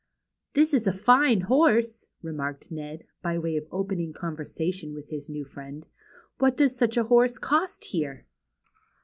" This is a fine horse," remarked Ned, by way of open ing conversation with his new friend. " What does such a horse cost here